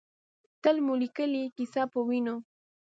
تل مو لیکلې ، کیسه پۀ وینو